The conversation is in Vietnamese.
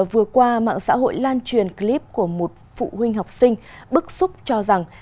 vừa qua mạng xã hội lan truyền clip của một phụ huynh học sinh bức xúc cho rằng